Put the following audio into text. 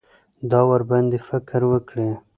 دا ورباندې فکر وکړي.